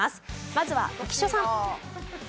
まずは浮所さん。